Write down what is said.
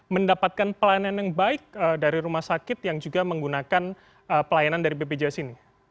mendapatkan pelayanan yang baik dari rumah sakit yang juga menggunakan pelayanan dari bpjs ini